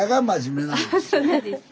あそうなんですか？